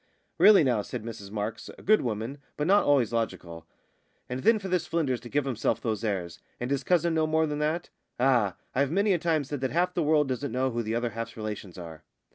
"Really now," said Mrs Marks, a good woman, but not always logical; "and then for this Flynders to give himself those airs and his cousin no more than that! Ah! I've many a time said that half the world doesn't know who the other half's relations are!"